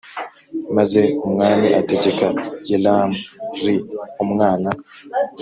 Maze umwami ategeka Yeram li umwana